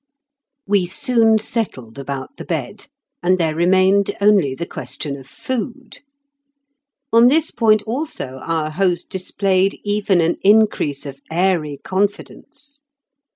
We soon settled about the bed, and there remained only the question of food. On this point also our host displayed even an increase of airy confidence.